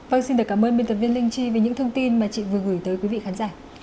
vâng xin được cảm ơn biên tập viên linh chi vì những thông tin mà chị vừa gửi tới quý vị khán giả